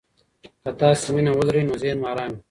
که تاسي مینه ولرئ، نو ذهن مو ارام وي.